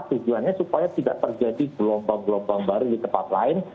tujuannya supaya tidak terjadi gelombang gelombang baru di tempat lain